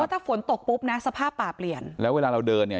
ถ้าฝนตกปุ๊บนะสภาพป่าเปลี่ยนแล้วเวลาเราเดินเนี่ย